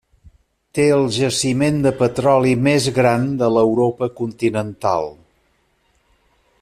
Té el jaciment de petroli més gran de l'Europa continental.